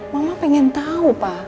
mama ingin tahu pak